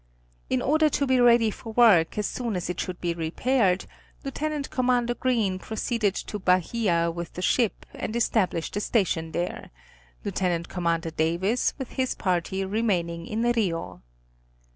In order to be ready for work as soon as it should be repaired, Lieut. Com. Green proceeded to Bahia with the ship and established a station there, Lieut. Com. Davis with his party remaining in Rio.